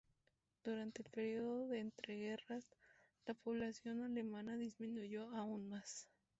Durante el período de entreguerras, la población alemana disminuyó aún más.